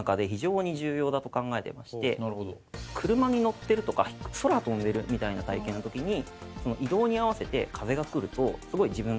車に乗ってるとか空を飛んでるみたいな体験の時に。